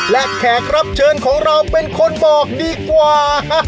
และแขกรับเชิญของเราเป็นคนบอกดีกว่า